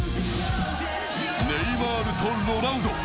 ネイマールとロナウド。